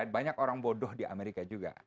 banyak orang bodoh di amerika juga